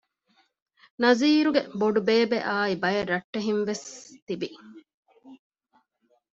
ނަޒީރުގެ ބޮޑުބޭބެ އާއި ބައެއް ރައްޓެހިންވެސް ތިވި